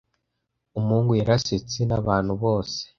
Umuhungu yarasetse nabantu bose.